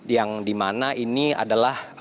yang di mana ini adalah